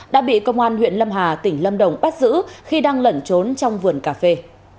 đã bị công an huyện lâm hà tỉnh lâm đồng bắt giữ khi đang lẩn trốn trong vườn cà phê